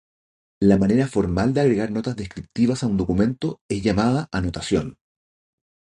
La manera formal de agregar notas descriptivas a un documento es llamada anotación.